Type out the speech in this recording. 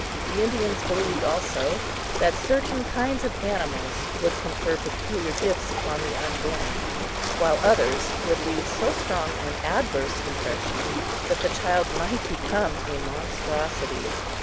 The Indians believed, also, that certain kinds of animals would confer peculiar gifts upon the unborn, while others would leave so strong an adverse impression that the child might become a monstrosity.